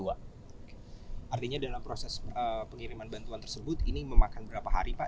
artinya dalam proses pengiriman bantuan tersebut ini memakan berapa hari pak